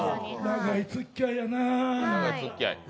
長いつっきあいやな。